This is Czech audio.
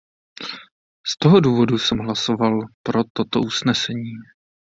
Z toho důvodu jsem hlasoval pro toto usnesení.